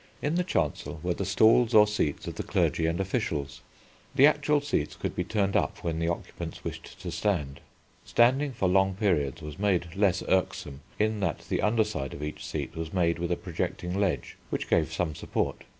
In the Chancel were the stalls or seats of the clergy and officials. The actual seats could be turned up when the occupants wished to stand. Standing for long periods was made less irksome in that the underside of each seat was made with a projecting ledge, which gave some support.